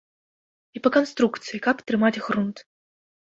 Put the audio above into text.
І па канструкцыі, каб трымаць грунт.